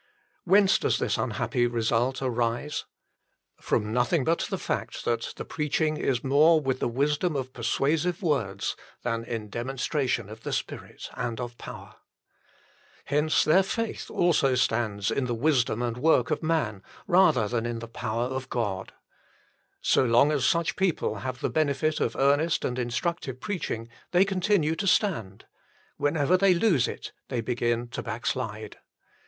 Whence does this unhappy result arise ? From nothing but the fact that the preaching is more with the wisdom of persuasive words than in demonstration of the Spirit and of power. Hence their faith also stands in the wisdom 56 THE FULL BLESSING OF PENTECOST and work of man rather than in the power of God. So long as such people have the benefit of earnest and instructive preaching, they con tinue to stand ; whenever they lose it, they begin to backslide.